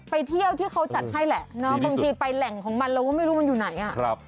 ไปเที่ยวที่เขาจัดให้แหละเนาะบางทีไปแหล่งของมันเราก็ไม่รู้มันอยู่ไหน